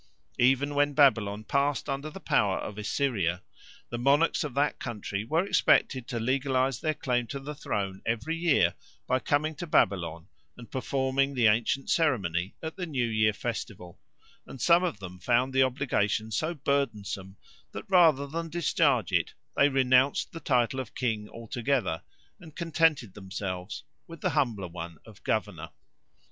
Even when Babylon passed under the power of Assyria, the monarchs of that country were expected to legalise their claim to the throne every year by coming to Babylon and performing the ancient ceremony at the New Year festival, and some of them found the obligation so burdensome that rather than discharge it they renounced the title of king altogether and contented themselves with the humbler one of Governor.